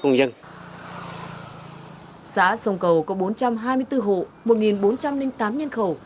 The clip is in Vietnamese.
công an xã sông cầu có bốn trăm hai mươi bốn hộ một bốn trăm linh tám nhân khẩu